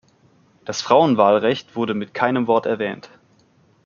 Das Frauenwahlrecht wurde mit keinem Wort erwähnt.